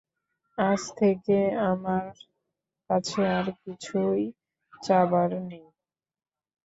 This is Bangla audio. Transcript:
আজ থেকে আমার কাছে আর কিছুই চাবার নেই।